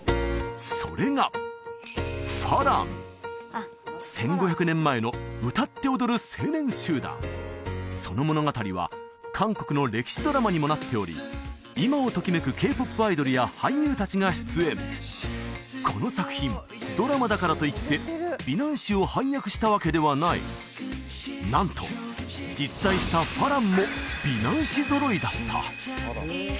それが１５００年前の歌って踊る青年集団その物語は韓国の歴史ドラマにもなっており今をときめくＫ−ＰＯＰアイドルや俳優達が出演この作品ドラマだからといって美男子を配役したわけではないなんと実在した花郎も美男子揃いだった！